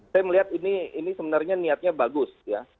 saya melihat ini sebenarnya niatnya bagus ya